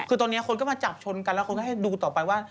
คือตอนนี้คนก็มาจับชนกันแล้วคนก็ให้ดูต่อไปว่า